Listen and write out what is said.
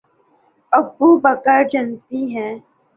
ابوبکر جنتی ہیں